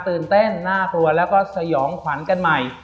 ตื่นเต้นน่ากลัวแล้วก็สยองขวัญกันใหม่